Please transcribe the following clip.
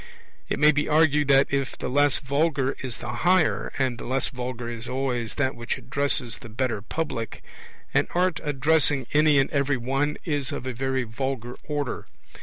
It may be argued that, if the less vulgar is the higher, and the less vulgar is always that which addresses the better public, an art addressing any and every one is of a very vulgar order.